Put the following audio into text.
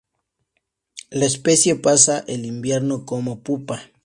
La especie pasa el invierno como pupa.